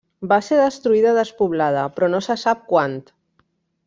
Va ser destruïda i despoblada però no se sap quant.